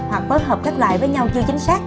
hoặc phối hợp các loại với nhau chưa chính xác